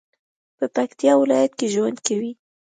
په پکتیا ولایت کې ژوند کوي